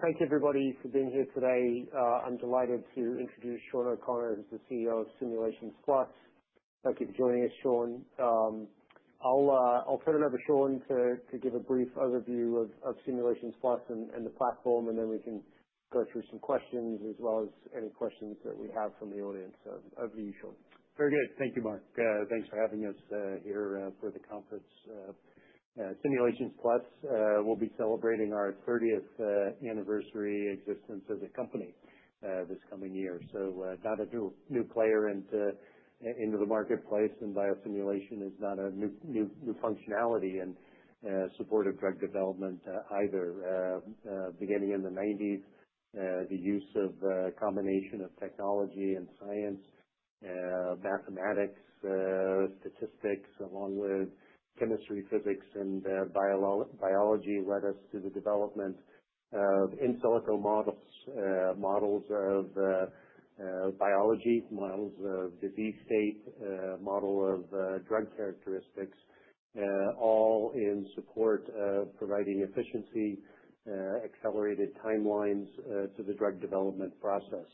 Thank you everybody for being here today. I'm delighted to introduce Shawn O'Connor, who's the CEO of Simulations Plus. Thank you for joining us, Shawn. I'll turn it over to Shawn to give a brief overview of Simulations Plus and the platform, and then we can go through some questions as well as any questions that we have from the audience. Over to you, Shawn. Very good. Thank you, Mark. Thanks for having us here for the conference. Simulations Plus, we'll be celebrating our 30th anniversary existence as a company this coming year. So, not a new, new player into the marketplace, and biosimulation is not a new, new, new functionality in support of drug development, either. Beginning in the 1990s, the use of a combination of technology and science, mathematics, statistics, along with chemistry, physics, and biology led us to the development of in silico models, models of biology, models of disease state, model of drug characteristics, all in support of providing efficiency, accelerated timelines, to the drug development process.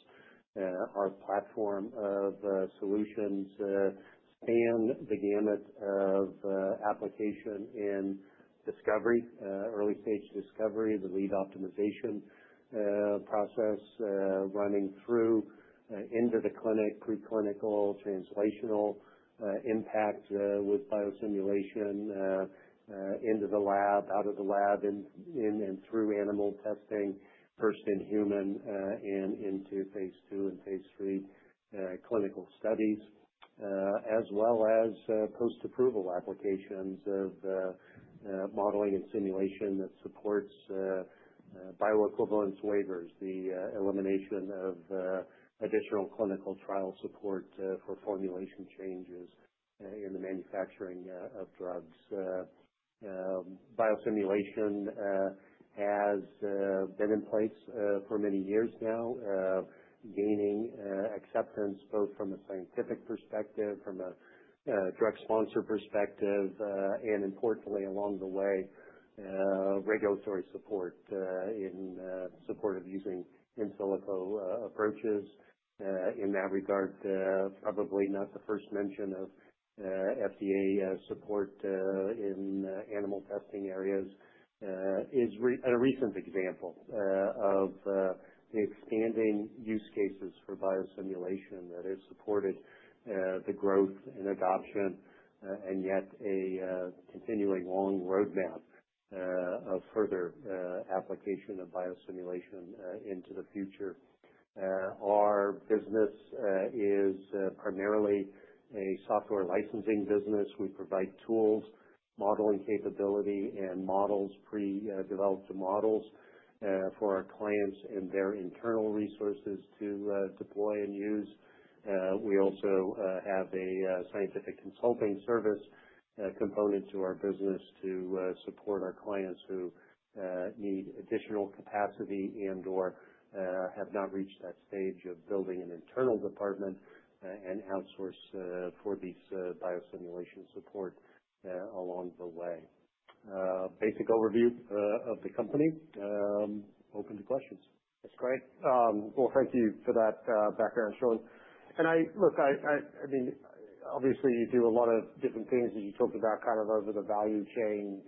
Our platform of solutions span the gamut of application in discovery, early-stage discovery, the lead optimization process, running through into the clinic, preclinical translational impact with biosimulation, into the lab, out of the lab, and through animal testing, first-in-human, and into phase two and phase three clinical studies, as well as post-approval applications of modeling and simulation that supports bioequivalence waivers, the elimination of additional clinical trial support for formulation changes in the manufacturing of drugs. Biosimulation has been in place for many years now, gaining acceptance both from a scientific perspective, from a drug sponsor perspective, and importantly, along the way, regulatory support in support of using in silico approaches. In that regard, probably not the first mention of FDA support in animal testing areas is a recent example of the expanding use cases for biosimulation that has supported the growth and adoption, and yet a continuing long roadmap of further application of biosimulation into the future. Our business is primarily a software licensing business. We provide tools, modeling capability, and models, pre-developed models, for our clients and their internal resources to deploy and use. We also have a scientific consulting service component to our business to support our clients who need additional capacity and/or have not reached that stage of building an internal department, and outsource for these biosimulation support along the way. Basic overview of the company. Open to questions. That's great. Well, thank you for that background, Shawn. And I look, I mean, obviously, you do a lot of different things, as you talked about, kind of over the value chain,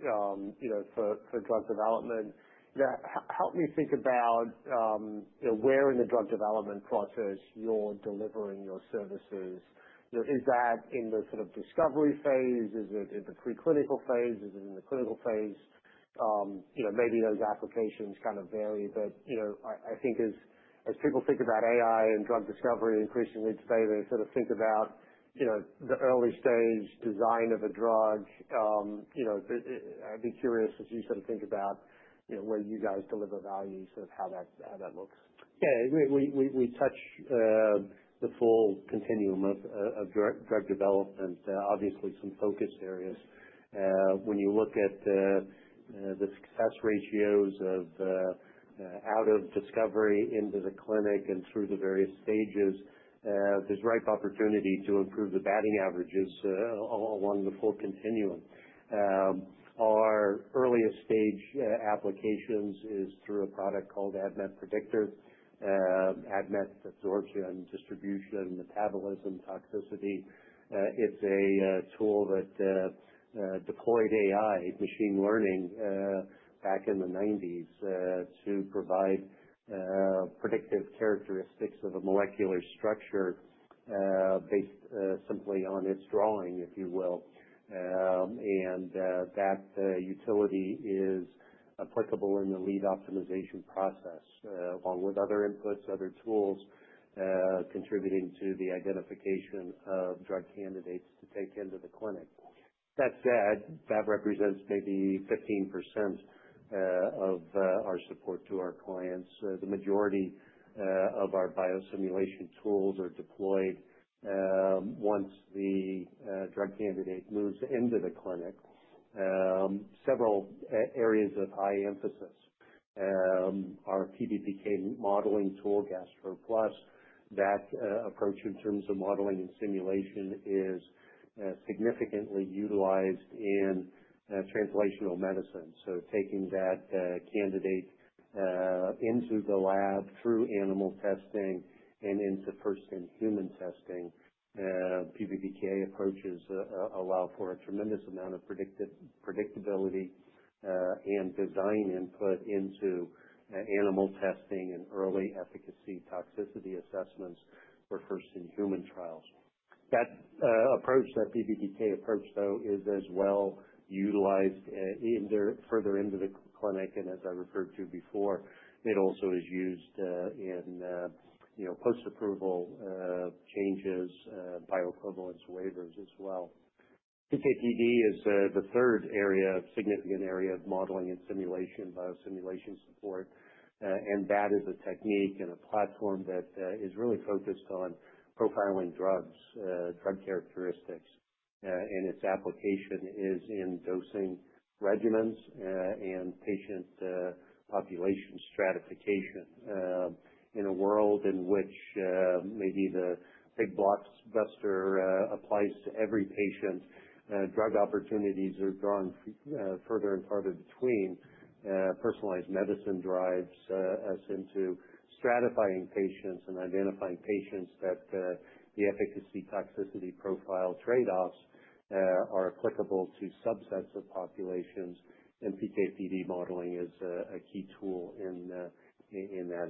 you know, for drug development. Now, help me think about, you know, where in the drug development process you're delivering your services. You know, is that in the sort of discovery phase? Is it in the preclinical phase? Is it in the clinical phase? You know, maybe those applications kind of vary, but, you know, I think as people think about AI and drug discovery increasingly today, they sort of think about, you know, the early-stage design of a drug. You know, I'd be curious as you sort of think about, you know, where you guys deliver values, sort of how that looks. Yeah, we touch the full continuum of drug development, obviously some focus areas. When you look at the success ratios of out of discovery into the clinic and through the various stages, there's ripe opportunity to improve the batting averages along the full continuum. Our earliest stage applications is through a product called ADMET Predictor, ADMET absorption, distribution, metabolism, toxicity. It's a tool that deployed AI, machine learning, back in the 1990s, to provide predictive characteristics of a molecular structure, based simply on its drawing, if you will. That utility is applicable in the lead optimization process, along with other inputs, other tools, contributing to the identification of drug candidates to take into the clinic. That said, that represents maybe 15% of our support to our clients. The majority of our biosimulation tools are deployed once the drug candidate moves into the clinic. Several areas of high emphasis. Our PBPK modeling tool, GastroPlus, that approach in terms of modeling and simulation is significantly utilized in translational medicine. So taking that candidate into the lab through animal testing and into first-in-human testing, PBPK approaches allow for a tremendous amount of predictive predictability and design input into animal testing and early efficacy toxicity assessments for first-in-human trials. That approach, that PBPK approach, though, is as well utilized in there further into the clinic, and as I referred to before, it also is used in you know post-approval changes, bioequivalence waivers as well. PKPD is the third area, significant area of modeling and simulation biosimulation support, and that is a technique and a platform that is really focused on profiling drugs, drug characteristics, and its application is in dosing regimens and patient population stratification. In a world in which, maybe the big blockbuster applies to every patient, drug opportunities are drawn further and farther between. Personalized medicine drives us into stratifying patients and identifying patients that the efficacy toxicity profile trade-offs are applicable to subsets of populations, and PKPD modeling is a key tool in that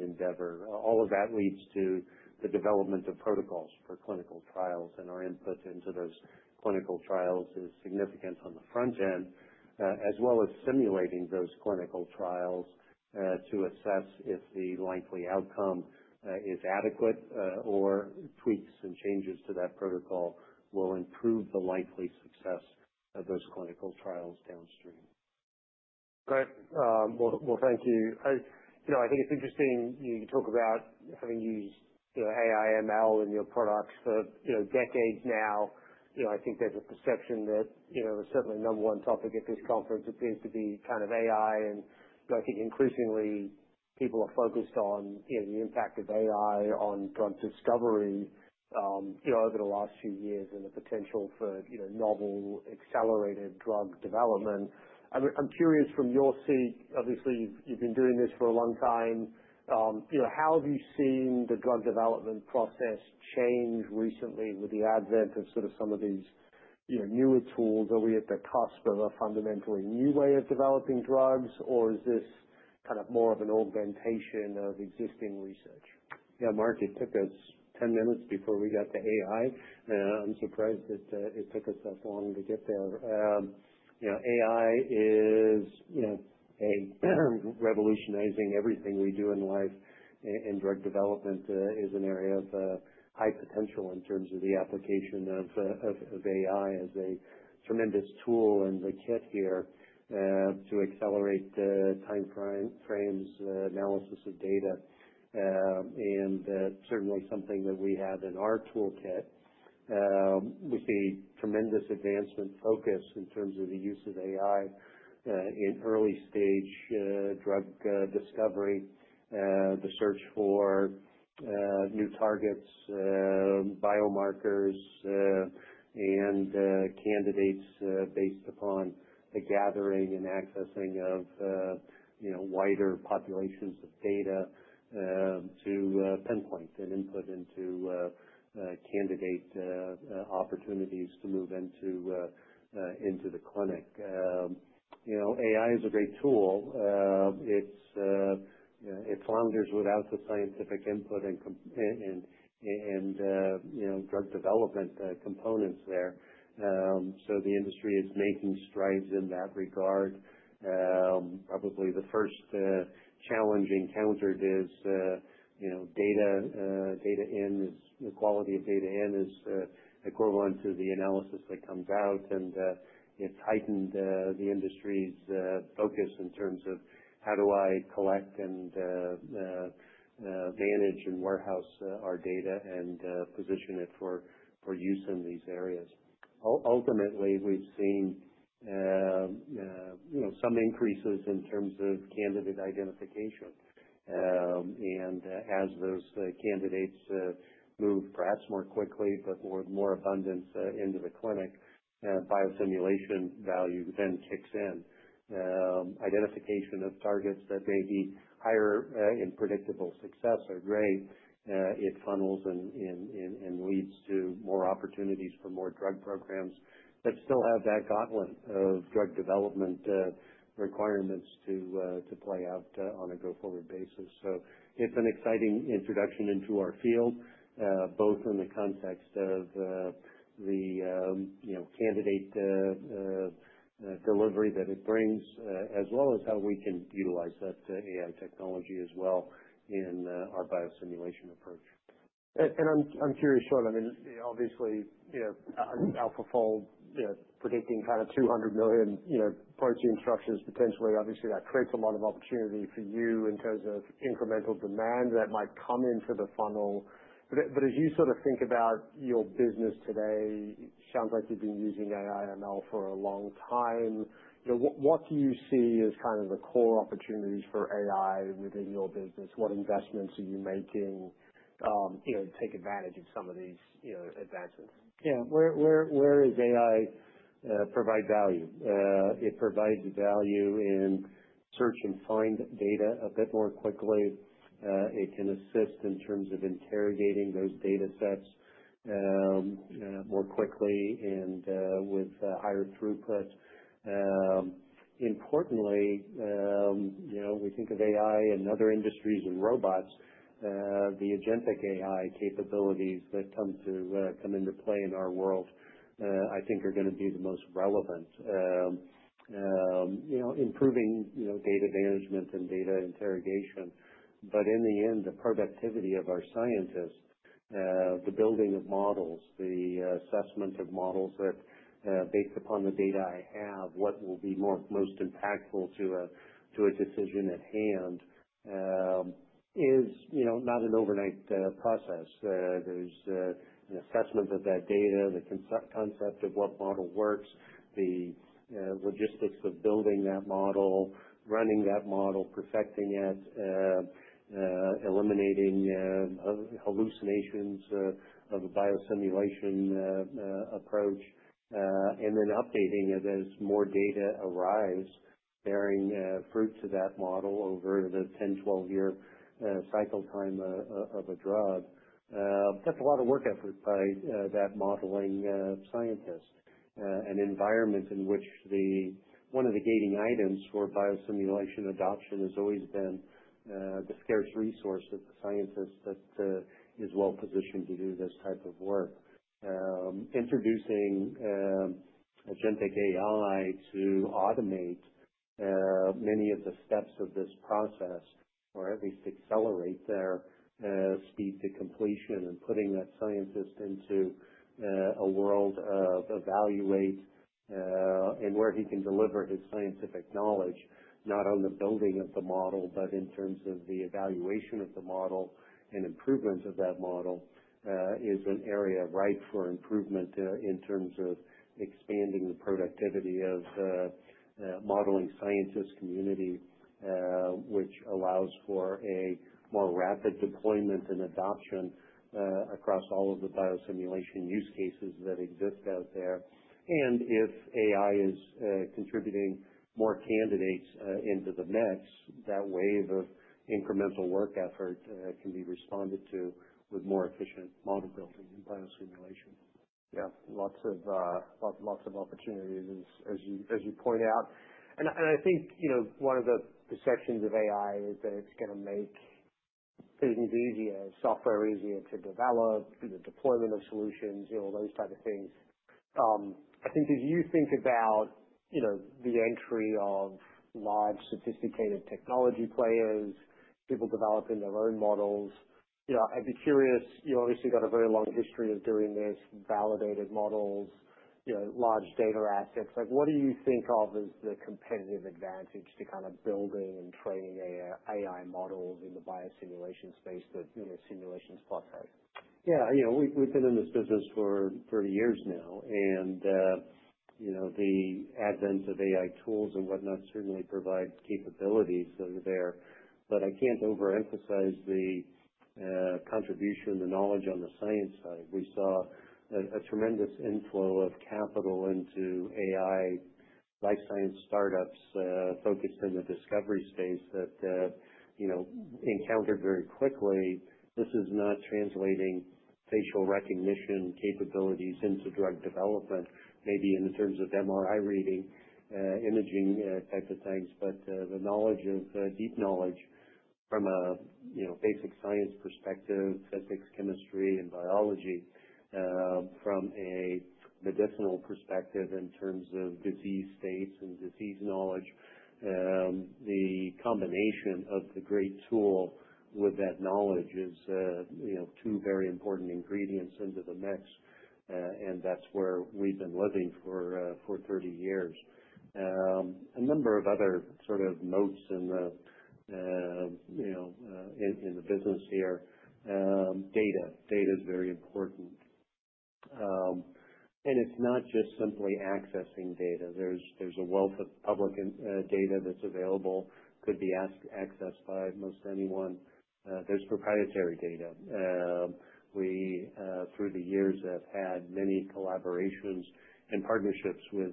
endeavor. All of that leads to the development of protocols for clinical trials, and our input into those clinical trials is significant on the front end, as well as simulating those clinical trials to assess if the likely outcome is adequate, or tweaks and changes to that protocol will improve the likely success of those clinical trials downstream. Great. Well, thank you. You know, I think it's interesting you talk about having used, you know, AI/ML in your products for, you know, decades now. You know, I think there's a perception that, you know, certainly number one topic at this conference appears to be kind of AI, and, you know, I think increasingly people are focused on, you know, the impact of AI on drug discovery, you know, over the last few years and the potential for, you know, novel accelerated drug development. I'm curious from your seat, obviously, you've been doing this for a long time. You know, how have you seen the drug development process change recently with the advent of sort of some of these, you know, newer tools? Are we at the cusp of a fundamentally new way of developing drugs, or is this kind of more of an augmentation of existing research? Yeah, Mark, it took us 10 minutes before we got to AI. I'm surprised that it took us that long to get there. You know, AI is, you know, a revolutionizing everything we do in life, and drug development is an area of high potential in terms of the application of AI as a tremendous tool in the kit here, to accelerate time frames, analysis of data, and certainly something that we have in our toolkit. We see tremendous advancement focus in terms of the use of AI in early-stage drug discovery, the search for new targets, biomarkers, and candidates based upon the gathering and accessing of you know wider populations of data to pinpoint and input into candidate opportunities to move into the clinic. You know, AI is a great tool. It's, you know, it flounders without the scientific input and components there. So the industry is making strides in that regard. Probably the first challenge encountered is, you know, data in. The quality of data in is equivalent to the analysis that comes out, and it's heightened the industry's focus in terms of how do I collect and manage and warehouse our data and position it for use in these areas. Ultimately, we've seen, you know, some increases in terms of candidate identification. And as those candidates move perhaps more quickly, but more abundance, into the clinic, biosimulation value then kicks in. Identification of targets that may be higher in predictable success are great. It funnels and leads to more opportunities for more drug programs that still have that gauntlet of drug development requirements to play out on a go-forward basis. So it's an exciting introduction into our field, both in the context of the you know candidate delivery that it brings, as well as how we can utilize that AI technology as well in our biosimulation approach. I'm curious, Shawn. I mean, obviously, you know, AlphaFold, you know, predicting kind of 200 million, you know, protein structures potentially. Obviously, that creates a lot of opportunity for you in terms of incremental demand that might come into the funnel. But as you sort of think about your business today, it sounds like you've been using AI/ML for a long time. You know, what do you see as kind of the core opportunities for AI within your business? What investments are you making, you know, to take advantage of some of these, you know, advancements? Yeah, where is AI provide value? It provides value in search and find data a bit more quickly. It can assist in terms of interrogating those data sets more quickly and with higher throughput. Importantly, you know, we think of AI and other industries and robots, the agentic AI capabilities that come into play in our world, I think are going to be the most relevant, you know, improving data management and data interrogation. But in the end, the productivity of our scientists, the building of models, the assessment of models that, based upon the data I have, what will be most impactful to a decision at hand is, you know, not an overnight process. There's an assessment of that data, the concept of what model works, the logistics of building that model, running that model, perfecting it, eliminating hallucinations of a biosimulation approach, and then updating it as more data arrives, bearing fruit to that model over the 10-12-year cycle time of a drug. That's a lot of work effort by that modeling scientist. An environment in which one of the gating items for biosimulation adoption has always been the scarce resource of the scientist that is well-positioned to do this type of work. Introducing agentic AI to automate many of the steps of this process, or at least accelerate their speed to completion and putting that scientist into a world of evaluation, and where he can deliver his scientific knowledge, not on the building of the model, but in terms of the evaluation of the model and improvement of that model, is an area ripe for improvement in terms of expanding the productivity of modeling scientist community, which allows for a more rapid deployment and adoption across all of the biosimulation use cases that exist out there. If AI is contributing more candidates into the mix, that wave of incremental work effort can be responded to with more efficient model building and biosimulation. Yeah, lots of opportunities as you point out. And I think, you know, one of the sections of AI is that it's going to make things easier, software easier to develop, the deployment of solutions, you know, all those type of things. I think as you think about, you know, the entry of large sophisticated technology players, people developing their own models, you know, I'd be curious. You obviously got a very long history of doing this, validated models, you know, large data assets. Like, what do you think of as the competitive advantage to kind of building and training AI models in the biosimulation space that, you know, Simulations Plus has? Yeah, you know, we've been in this business for 30 years now, and, you know, the advent of AI tools and whatnot certainly provide capabilities that are there, but I can't overemphasize the contribution, the knowledge on the science side. We saw a tremendous inflow of capital into AI life science startups, focused in the discovery space that, you know, encountered very quickly. This is not translating facial recognition capabilities into drug development, maybe in terms of MRI reading, imaging, type of things, but the knowledge of deep knowledge from a, you know, basic science perspective. Physics, chemistry, and biology, from a medicinal perspective in terms of disease states and disease knowledge. The combination of the great tool with that knowledge is, you know, two very important ingredients into the mix, and that's where we've been living for 30 years. A number of other sort of notes in the, you know, in the business here. Data is very important, and it's not just simply accessing data. There's a wealth of public data that's available, could be accessed by most anyone. There's proprietary data. We, through the years, have had many collaborations and partnerships with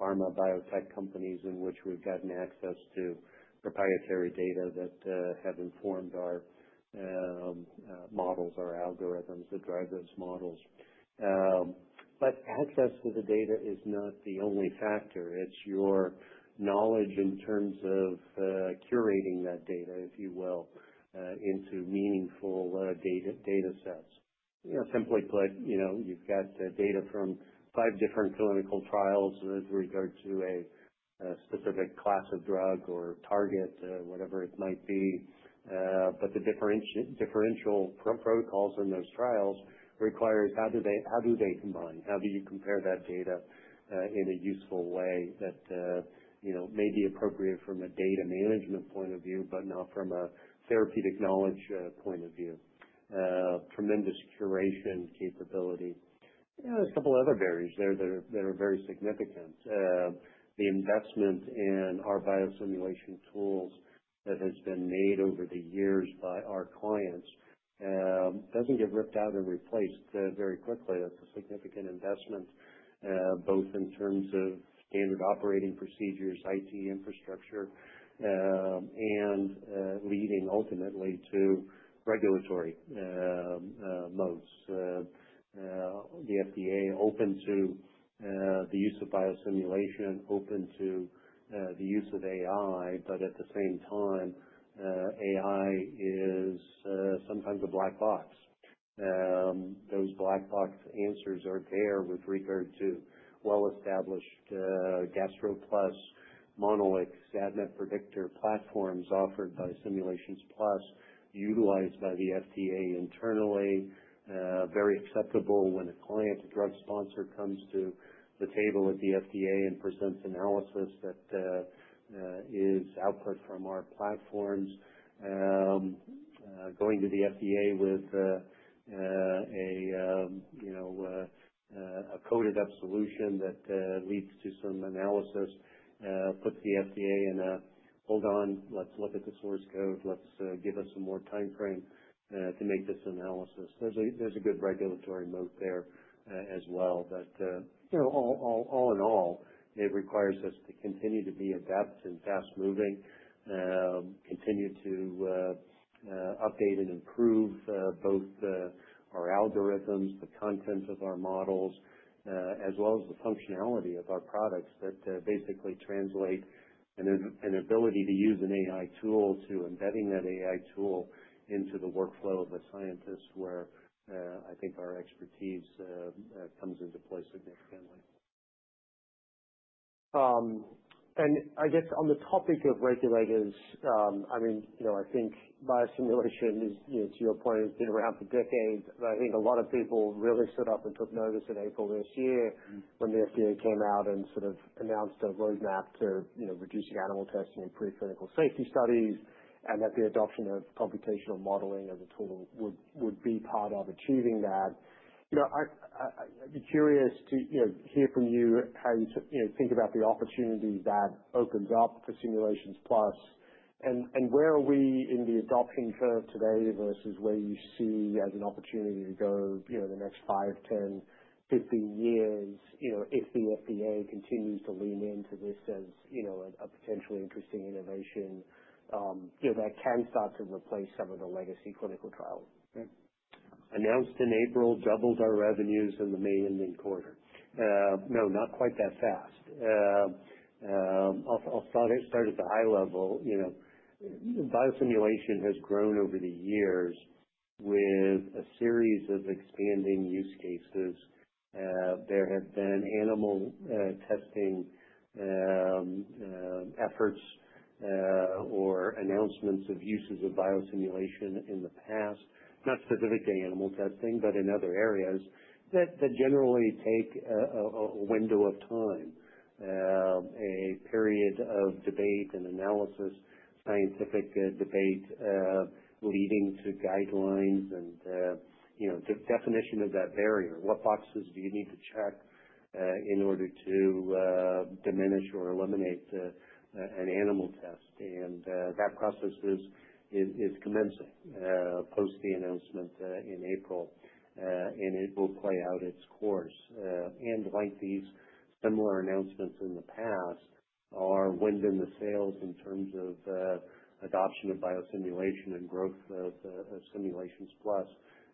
pharma biotech companies in which we've gotten access to proprietary data that have informed our models, our algorithms that drive those models. But access to the data is not the only factor. It's your knowledge in terms of curating that data, if you will, into meaningful data sets. You know, simply put, you know, you've got data from five different clinical trials with regard to a specific class of drug or target, whatever it might be. But the differential protocols in those trials requires how do they combine? How do you compare that data in a useful way that, you know, may be appropriate from a data management point of view, but not from a therapeutic knowledge point of view? Tremendous curation capability. You know, there's a couple other barriers there that are very significant. The investment in our biosimulation tools that has been made over the years by our clients doesn't get ripped out and replaced very quickly. That's a significant investment, both in terms of standard operating procedures, IT infrastructure, and leading ultimately to regulatory modes. The FDA open to the use of biosimulation, open to the use of AI, but at the same time, AI is sometimes a black box. Those black box answers are there with regard to well-established GastroPlus Monolix ADMET Predictor platforms offered by Simulations Plus, utilized by the FDA internally, very acceptable when a client, a drug sponsor, comes to the table at the FDA and presents analysis that is output from our platforms. Going to the FDA with a you know a coded-up solution that leads to some analysis puts the FDA in a hold on, let's look at the source code, let's give us some more time frame to make this analysis. There's a good regulatory moat there, as well that, you know, all in all, it requires us to continue to be adept and fast-moving, continue to update and improve both our algorithms, the contents of our models, as well as the functionality of our products that basically translate an ability to use an AI tool to embedding that AI tool into the workflow of a scientist where, I think our expertise comes into play significantly. And I guess on the topic of regulators. I mean, you know, I think biosimulation is, you know, to your point, it's been around for decades. I think a lot of people really stood up and took notice in April this year when the FDA came out and sort of announced a roadmap to, you know, reducing animal testing and preclinical safety studies and that the adoption of computational modeling as a tool would be part of achieving that. You know, I'd be curious to, you know, hear from you how you, you know, think about the opportunity that opens up for Simulations Plus and where are we in the adoption curve today versus where you see as an opportunity to go, you know, the next five, 10, 15 years, you know, if the FDA continues to lean into this as, you know, a potentially interesting innovation, you know, that can start to replace some of the legacy clinical trials? Yeah. Announced in April, doubled our revenues in the May and then quarter. No, not quite that fast. I'll start at the high level, you know. Biosimulation has grown over the years with a series of expanding use cases. There have been animal testing efforts or announcements of uses of biosimulation in the past, not specific to animal testing, but in other areas that generally take a window of time, a period of debate and analysis, scientific debate, leading to guidelines and, you know, the definition of that barrier. What boxes do you need to check in order to diminish or eliminate an animal test? That process is commencing post the announcement in April, and it will play out its course. And like these similar announcements in the past are wind in the sails in terms of adoption of biosimulation and growth of Simulations Plus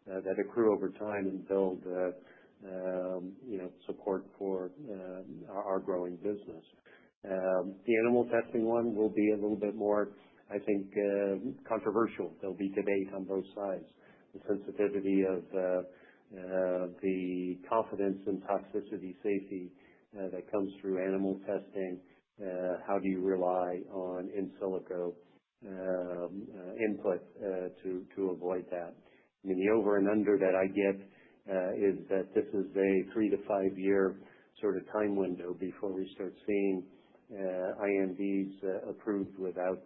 that accrue over time and build, you know, support for our growing business. The animal testing one will be a little bit more, I think, controversial. There'll be debate on both sides. The sensitivity of the confidence in toxicity safety that comes through animal testing, how do you rely on in silico input to avoid that? I mean, the over and under that I get is that this is a three to five-year sort of time window before we start seeing INDs approved without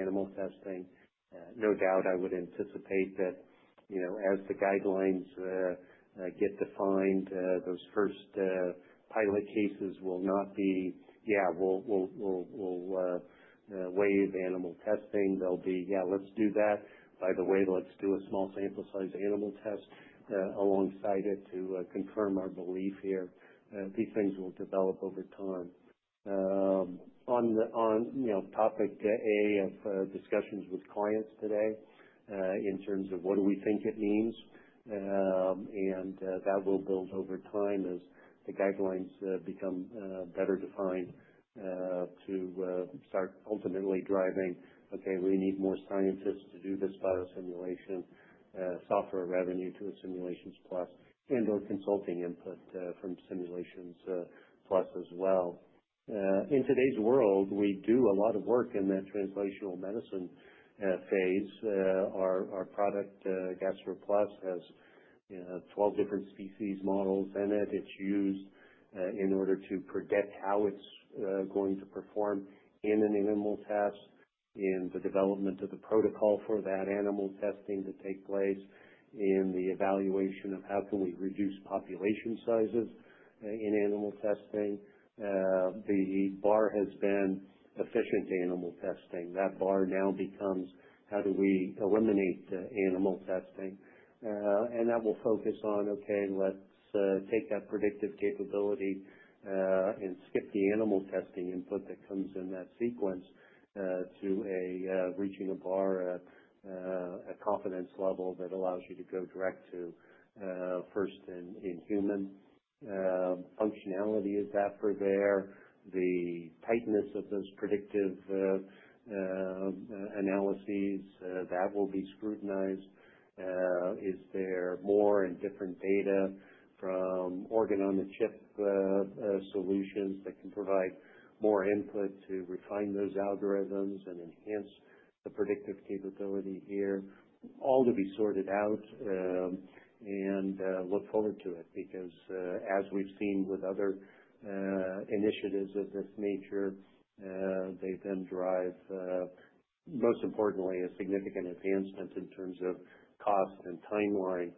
animal testing. No doubt I would anticipate that, you know, as the guidelines get defined, those first pilot cases will not be, yeah, we'll waive animal testing. They'll be, yeah, let's do that. By the way, let's do a small sample-sized animal test, alongside it to confirm our belief here. These things will develop over time. On the, you know, topic of discussions with clients today, in terms of what do we think it means, and that will build over time as the guidelines become better defined to start ultimately driving, okay, we need more scientists to do this biosimulation, software revenue to Simulations Plus and/or consulting input from Simulations Plus as well. In today's world, we do a lot of work in that translational medicine phase. Our product, GastroPlus, has 12 different species models in it. It's used in order to predict how it's going to perform in an animal test, in the development of the protocol for that animal testing to take place, in the evaluation of how we can reduce population sizes in animal testing. The bar has been efficient animal testing. That bar now becomes how do we eliminate the animal testing. And that will focus on, okay, let's take that predictive capability, and skip the animal testing input that comes in that sequence, to reaching a bar, a confidence level that allows you to go direct to first in human. Functionality is after there. The tightness of those predictive analyses that will be scrutinized. Is there more and different data from organ-on-a-chip solutions that can provide more input to refine those algorithms and enhance the predictive capability here? All to be sorted out, and look forward to it because, as we've seen with other initiatives of this nature, they then drive, most importantly, a significant advancement in terms of cost and timeline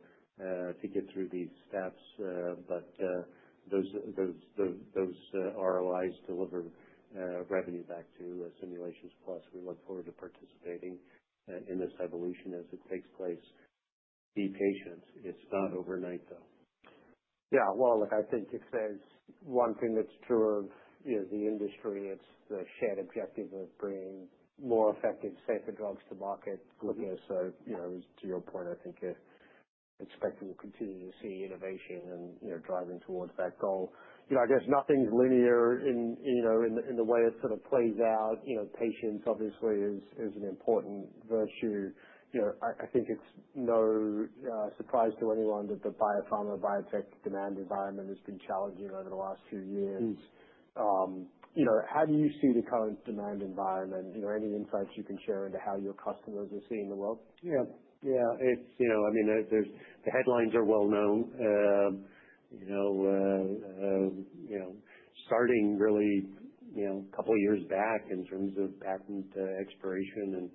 to get through these steps. But those ROIs deliver revenue back to Simulations Plus. We look forward to participating in this evolution as it takes place. Be patient. It's not overnight, though. Yeah, well, look, I think it says one thing that's true of, you know, the industry. It's the shared objective of bringing more effective, safer drugs to market. Yes. With this, you know, to your point, I think, expecting to continue to see innovation and, you know, driving towards that goal. You know, I guess nothing's linear in, you know, in the way it sort of plays out. You know, patience obviously is an important virtue. You know, I think it's no surprise to anyone that the biopharma biotech demand environment has been challenging over the last few years. Mm-hmm. You know, how do you see the current demand environment? You know, any insights you can share into how your customers are seeing the world? Yeah. Yeah. It's, you know, I mean, the headlines are well known. You know, you know, starting really, you know, a couple years back in terms of patent expiration and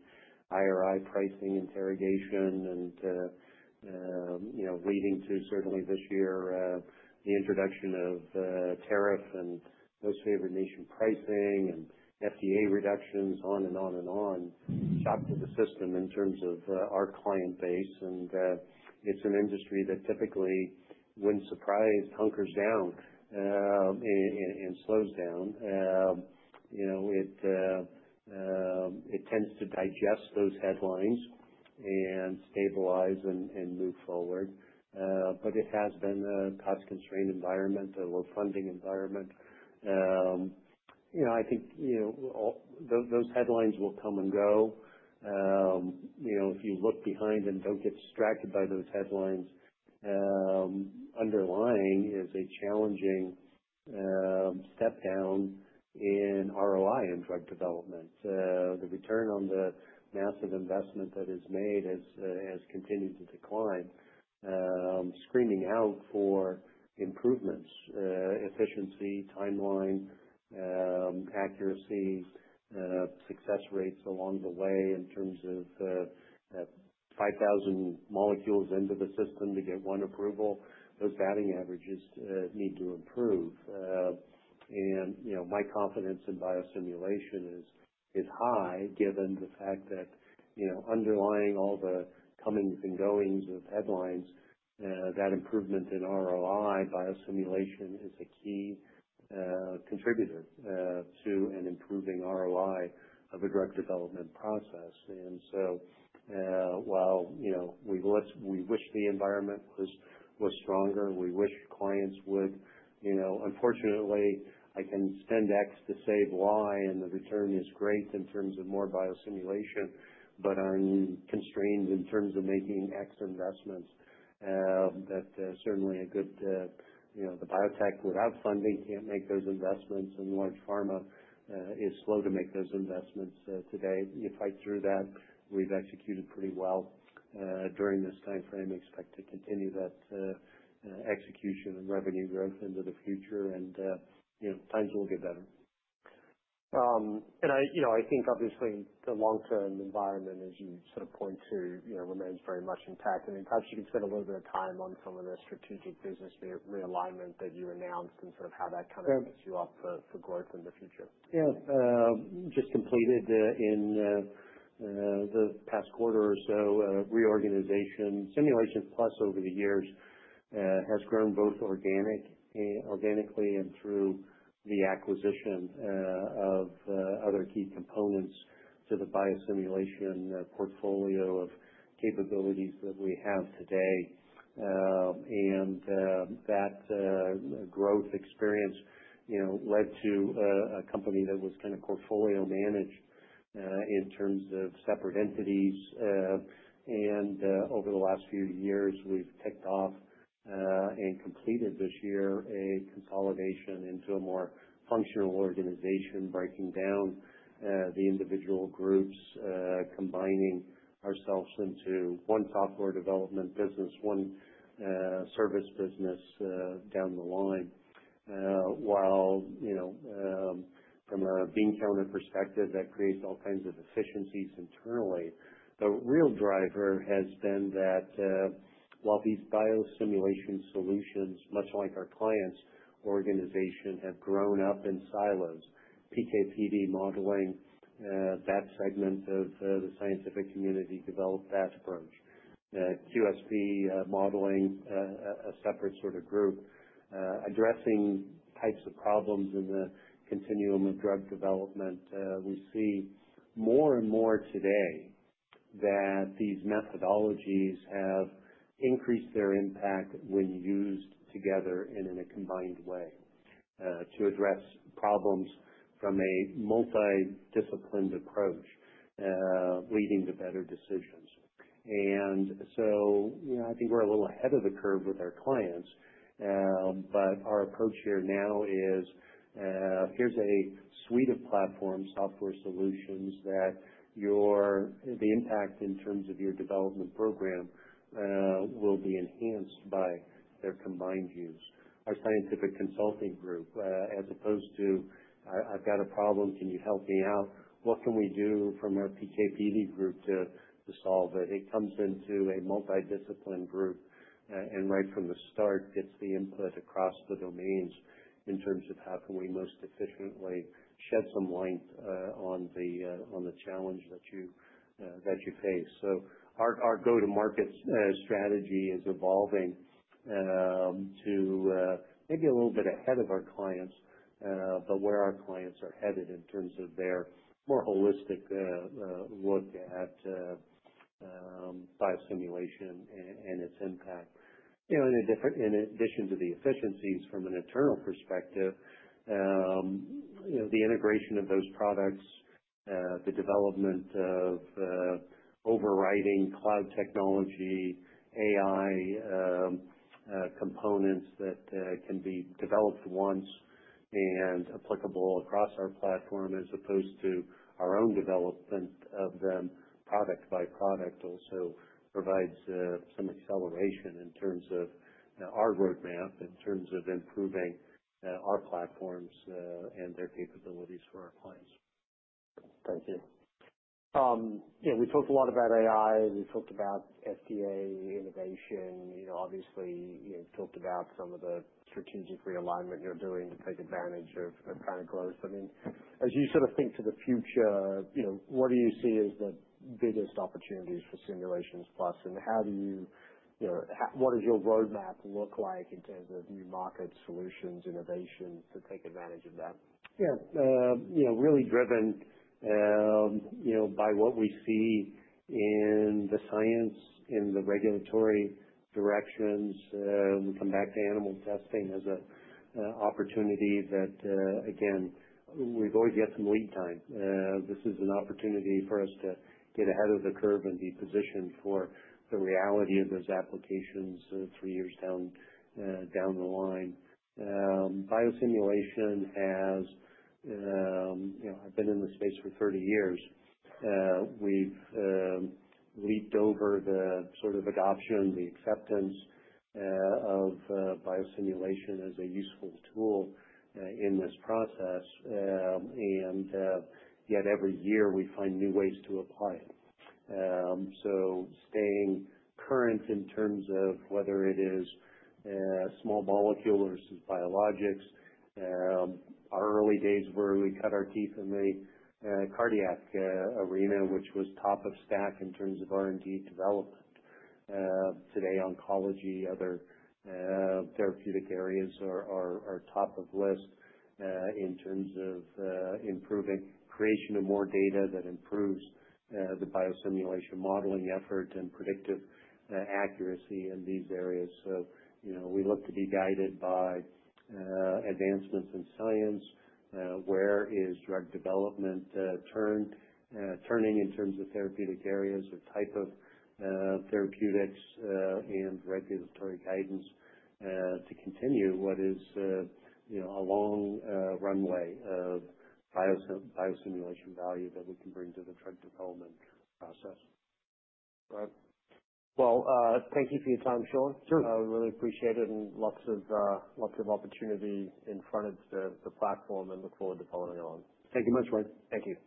IRA pricing negotiation and, you know, leading to certainly this year, the introduction of IRA and most favored nation pricing and FDA reductions, on and on and on, shocks to the system in terms of our client base. It's an industry that typically, when surprised, hunkers down and slows down. You know, it tends to digest those headlines and stabilize and move forward. But it has been a cost-constrained environment, a low-funding environment. You know, I think, you know, all those headlines will come and go. You know, if you look beyond and don't get distracted by those headlines, underlying is a challenging step down in ROI in drug development. The return on the massive investment that is made has continued to decline, screaming out for improvements, efficiency, timeline, accuracy, success rates along the way in terms of 5,000 molecules into the system to get one approval. Those batting averages need to improve. And you know, my confidence in biosimulation is high given the fact that you know, underlying all the comings and goings of headlines, that improvement in ROI, biosimulation is a key contributor to an improving ROI of a drug development process. And so while you know, we wish the environment was stronger, we wish clients would you know, unfortunately, I can spend X to save Y and the return is great in terms of more biosimulation, but I'm constrained in terms of making X investments. That certainly a good, you know, the biotech without funding can't make those investments and large pharma is slow to make those investments today. You fight through that. We've executed pretty well during this timeframe. Expect to continue that execution and revenue growth into the future and, you know, times will get better. And I, you know, I think obviously the long-term environment, as you sort of point to, you know, remains very much intact. I mean, perhaps you can spend a little bit of time on some of the strategic business realignment that you announced and sort of how that kind of. Yeah. Gets you up for growth in the future. Yeah, just completed in the past quarter or so reorganization. Simulations Plus over the years has grown both organic and organically and through the acquisition of other key components to the biosimulation portfolio of capabilities that we have today. That growth experience, you know, led to a company that was kind of portfolio managed in terms of separate entities. Over the last few years, we've ticked off and completed this year a consolidation into a more functional organization, breaking down the individual groups, combining ourselves into one software development business, one service business down the line. While, you know, from a bean counter perspective, that creates all kinds of efficiencies internally. The real driver has been that while these biosimulation solutions, much like our clients' organization, have grown up in silos, PKPD modeling, that segment of the scientific community developed that approach. QSP modeling, a separate sort of group, addressing types of problems in the continuum of drug development. We see more and more today that these methodologies have increased their impact when used together and in a combined way, to address problems from a multidisciplinary approach, leading to better decisions. And so, you know, I think we're a little ahead of the curve with our clients, but our approach here now is, here's a suite of platform software solutions that your the impact in terms of your development program, will be enhanced by their combined use. Our scientific consulting group, as opposed to, I've got a problem, can you help me out? What can we do from our PKPD group to solve it? It comes into a multidisciplined group, and right from the start, it's the input across the domains in terms of how can we most efficiently shed some light on the challenge that you face. So our go-to-market strategy is evolving to maybe a little bit ahead of our clients, but where our clients are headed in terms of their more holistic look at biosimulation and its impact. You know, in addition to the efficiencies from an internal perspective, you know, the integration of those products, the development of overriding cloud technology, AI components that can be developed once and applicable across our platform as opposed to our own development of them product by product also provides some acceleration in terms of our roadmap in terms of improving our platforms and their capabilities for our clients. Thank you. You know, we talked a lot about AI. We talked about FDA innovation. You know, obviously, you know, we talked about some of the strategic realignment you're doing to take advantage of, of kind of growth. I mean, as you sort of think to the future, you know, what do you see as the biggest opportunities for Simulations Plus? And how do you, you know, how what does your roadmap look like in terms of new market solutions, innovations to take advantage of that? Yeah. You know, really driven, you know, by what we see in the science, in the regulatory directions. We come back to animal testing as an opportunity that, again, we've always got some lead time. This is an opportunity for us to get ahead of the curve and be positioned for the reality of those applications, three years down, down the line. Biosimulation has, you know, I've been in the space for 30 years. We've leaped over the sort of adoption, the acceptance, of biosimulation as a useful tool in this process. And yet every year we find new ways to apply it. Staying current in terms of whether it is small molecule versus biologics. Our early days where we cut our teeth in the cardiac arena, which was top of stack in terms of R&D development. Today, oncology, other therapeutic areas are top of the list, in terms of improving creation of more data that improves the biosimulation modeling effort and predictive accuracy in these areas. So, you know, we look to be guided by advancements in science where drug development is turning in terms of therapeutic areas or type of therapeutics, and regulatory guidance, to continue what is, you know, a long runway of biosimulation value that we can bring to the drug development process. Right. Well, thank you for your time, Shawn. Sure. We really appreciate it and lots of opportunity in front of the platform and look forward to following on. Thank you much, right. Thank you.